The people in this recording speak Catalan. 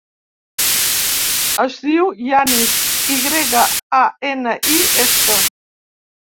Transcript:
Es diu Yanis: i grega, a, ena, i, essa.